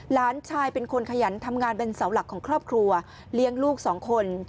หลานชายเป็นคนขยันทำงานเป็นเสาหลักของครอบครัวเลี้ยงลูกสองคน